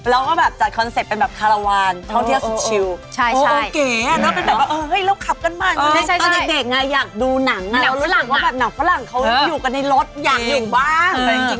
ด้วยคะที่ทำดีไซน์แบบนี้เรียกได้ว่ามีสไตล์ร้านได้อารมณ์เหมือนเรากำลังท่องเที่ยวอ่ะเจ๊